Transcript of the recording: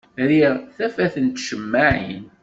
Riɣ tafat n tcemmaɛin.